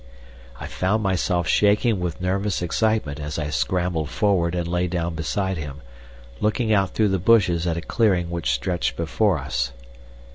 I found myself shaking with nervous excitement as I scrambled forward and lay down beside him, looking out through the bushes at a clearing which stretched before us.